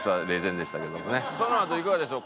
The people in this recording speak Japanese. そのあといかがでしょう？